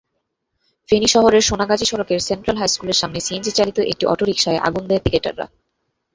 ফেনী শহরের সোনাগাজী সড়কের সেন্ট্রাল হাইস্কুলের সামনে সিএনজিচালিত একটি অটোরিকশায় আগুন দেয় পিকেটাররা।